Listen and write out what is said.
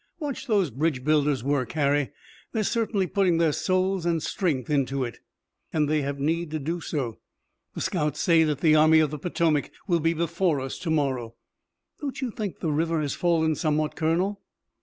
Watch those bridge builders work, Harry! They're certainly putting their souls and strength into it." "And they have need to do so. The scouts say that the Army of the Potomac will be before us to morrow. Don't you think the river has fallen somewhat, Colonel?"